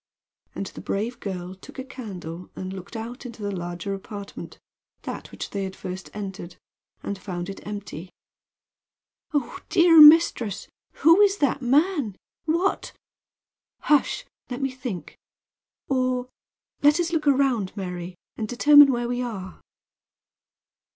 And the brave girl took a candle and looked out into the larger apartment that which they had first entered and found it empty. "Oh, dear mistress! Who is that man? What " "Hush! Let me think. Or let us look around, Mary, and determine where we are."